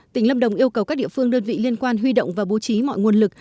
tỉnh lâm đồng yêu cầu các địa phương đơn vị liên quan huy động và bố trí mọi nguồn lực